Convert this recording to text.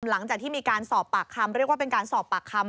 หลังจากที่มีการสอบปากคำเรียกว่าเป็นการสอบปากคำ